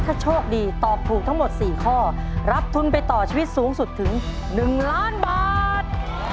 ถ้าโชคดีตอบถูกทั้งหมด๔ข้อรับทุนไปต่อชีวิตสูงสุดถึง๑ล้านบาท